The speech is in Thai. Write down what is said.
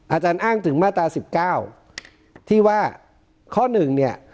อาจารย์อ้างถึงมาตรา๑๙ที่ว่าข้อหนึ่งเนี่ย